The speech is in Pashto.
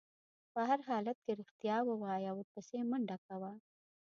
په هر حالت کې رښتیا ووایه او ورپسې منډه کوه.